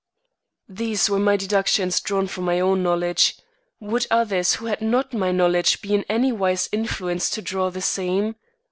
These were my deductions drawn from my own knowledge. Would others who had not my knowledge be in any wise influenced to draw the same?